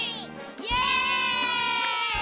イエイ！